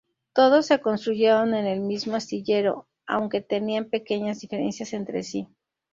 Todos se construyeron en el mismo astillero, aunque tenían pequeñas diferencias entre sí.